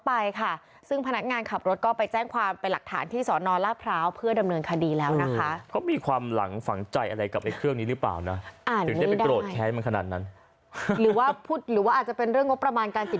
ไอเครื่องนี้รึเปล่านะถึงได้ไปโกรธแค้นมันขนาดนั้นหรือว่าพูดหรือว่าอาจจะเป็นเรื่องงบประมาณการติด